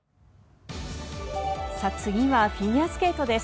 次はフィギュアスケートです。